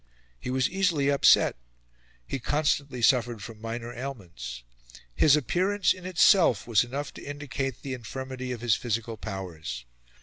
He was easily upset; he constantly suffered from minor ailments. His appearance in itself was enough to indicate the infirmity of his physical powers.